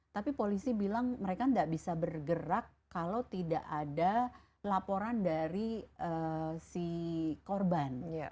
tapi polisi bilang mereka tidak bisa bergerak kalau tidak ada laporan dari si korban